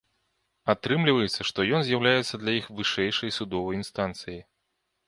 Атрымліваецца, што ён з'яўляецца для іх вышэйшай судовай інстанцыяй.